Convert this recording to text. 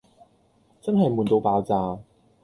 真係悶到爆炸